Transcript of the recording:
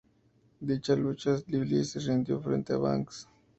En dicha lucha, Bliss se rindió frente a Banks.